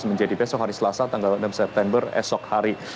menjadi besok hari selasa tanggal enam september esok hari